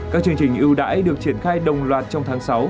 các chương trình ưu đãi được triển khai đồng loạt trong tháng sáu